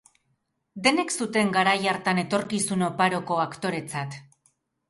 Denek zuten garai hartan etorkizun oparoko aktoretzat.